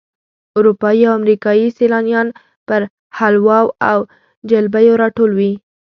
اروپایي او امریکایي سیلانیان پر حلواو او جلبیو راټول وي.